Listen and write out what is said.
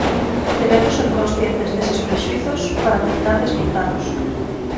Debemos ser conscientes deses prexuízos para tentar desmontalos.